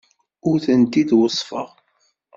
Ur tent-id-weṣṣfeɣ.